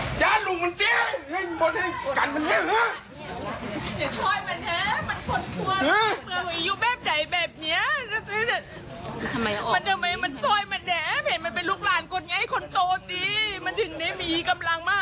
มันเป็นลูกหลานคนเงี้ยคนโดนหรือไงต้องเล่าแล้ว